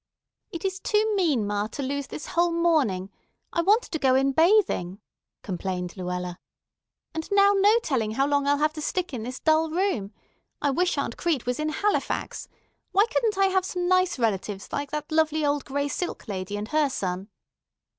"It is too mean, ma, to lose this whole morning. I wanted to go in bathing," complained Luella, "and now no telling how long I'll have to stick in this dull room. I wish Aunt Crete was in Halifax. Why couldn't I have had some nice relatives like that lovely old gray silk lady and her son?"